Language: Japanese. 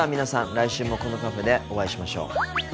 来週もこのカフェでお会いしましょう。